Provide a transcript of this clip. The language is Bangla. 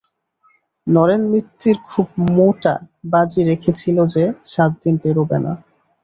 নরেন মিত্তির খুব মোটা বাজি রেখেছিল যে, সাত দিন পেরোবে না।